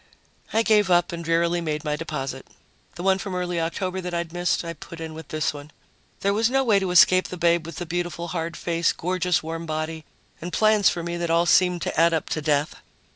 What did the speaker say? I gave up and drearily made my deposit. The one from early October that I'd missed I put in with this one. There was no way to escape the babe with the beautiful hard face, gorgeous warm body and plans for me that all seemed to add up to death.